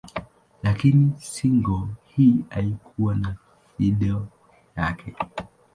Lakini single hii haikuwa na video yake.